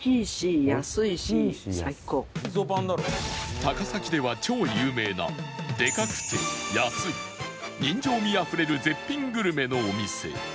高崎では超有名なでかくて安い人情味あふれる絶品グルメのお店